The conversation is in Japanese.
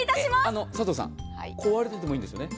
あの、佐藤さん壊れていてもいいんですよね？